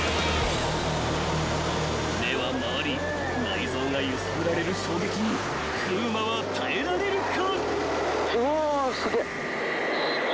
［目は回り内臓が揺さぶられる衝撃に風磨は耐えられるか］